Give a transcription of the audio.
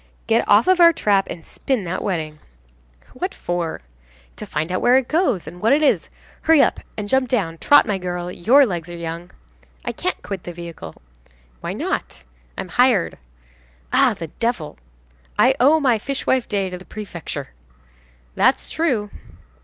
"Get off of our trap and spin that wedding." "What for?" "To find out where it goes, and what it is. Hurry up and jump down, trot, my girl, your legs are young." "I can't quit the vehicle." "Why not?" "I'm hired." "Ah, the devil!" "I owe my fishwife day to the prefecture." "That's true."